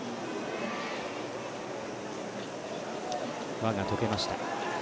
輪が解けました。